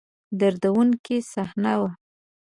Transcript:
دردوونکې صحنه وه.